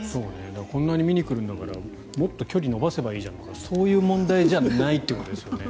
こんなに見に来るんだからもっと距離を延ばせばいいじゃんとかそういう問題じゃないということですよね。